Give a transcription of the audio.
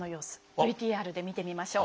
ＶＴＲで見てみましょう。